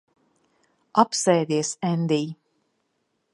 Apsēdies, Endij.